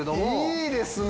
いいですね。